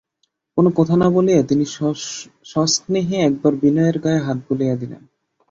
কোনো কথা না বলিয়া তিনি সস্নেহে একবার বিনয়ের গায়ে হাত বুলাইয়া দিলেন।